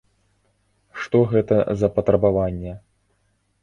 Што гэта за патрабаванне?